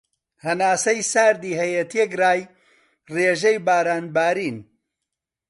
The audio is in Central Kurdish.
هەناسەی ساردی هەیە تێکرای رێژەی باران بارین